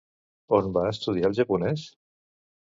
On va estudiar el japonès?